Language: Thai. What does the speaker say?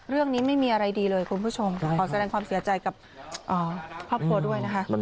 ไม่มีอะไรดีเลยคุณผู้ชมค่ะขอแสดงความเสียใจกับครอบครัวด้วยนะคะ